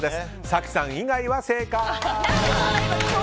早紀さん以外は正解！